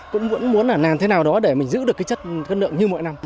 cũng muốn là làm thế nào đó để mình giữ được cái chất lượng như mỗi năm